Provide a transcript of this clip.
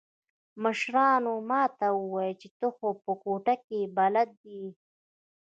مشرانو ما ته وويل چې ته خو په کوټه کښې بلد يې.